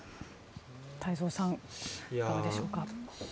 太蔵さんいかがでしょうか。